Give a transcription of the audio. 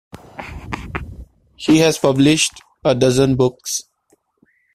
She has published a dozen books.